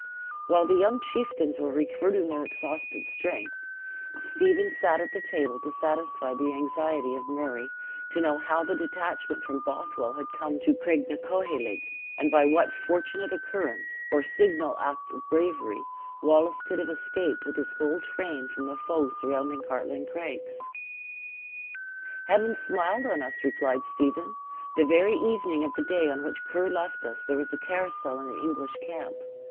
While the young chieftains were recruiting their exhausted strength, Stephen sat at the table to satisfy the anxiety of Murray to know how the detachment from Bothwell had come to Craignacoheilg, and by what fortunate occurrence, or signal act of bravery, Wallace could have escaped with his whole train from the foe surrounding Cartlane Craigs. "Heaven smiled on us!" replied Stephen. "The very evening of the day on which Ker left us there was a carousal in the English camp.